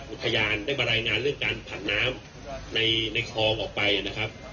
อุทยานได้มารายงานเรื่องการผันน้ำในคลองออกไปนะครับ